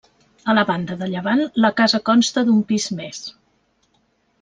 A la banda de llevant la casa consta d'un pis més.